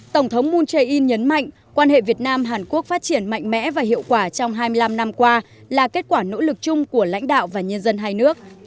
tổng thống moon jae in nhấn mạnh quan hệ việt nam hàn quốc phát triển mạnh mẽ và hiệu quả trong hai mươi năm năm qua là kết quả nỗ lực chung của lãnh đạo và nhân dân hai nước